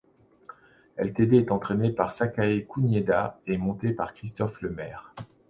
Ltd, est entraînée par Sakae Kunieda et montée par Christophe Lemaire.